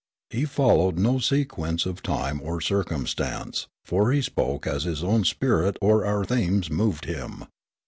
He followed no sequence of time or cir cumstance ; for he spoke as his own spirit or our themes moved him.